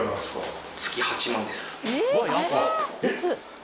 えっ？